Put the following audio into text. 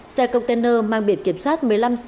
xe container mang biển kiểm soát